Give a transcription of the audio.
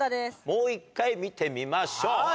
もう１回見てみましょう。